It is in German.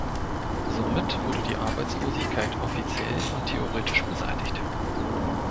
Somit wurde die Arbeitslosigkeit offiziell und theoretisch beseitigt.